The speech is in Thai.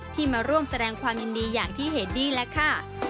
ที่มาร่วมแสดงความยินดีอย่างที่เหดี้แล้วค่ะ